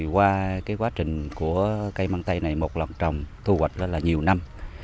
qua quá trình của cây măng tây này một lọc trồng thu hoạch nhiều năm